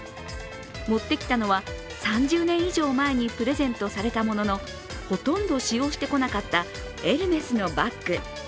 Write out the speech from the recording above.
持ってきたのは３０年以上前にプレゼントされたものの、ほとんど使用してこなかったエルメスのバッグ。